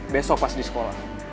besok pas di sekolah